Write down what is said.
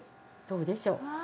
どうでしょう？うわ！